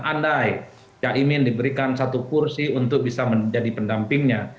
andai caimin diberikan satu kursi untuk bisa menjadi pendampingnya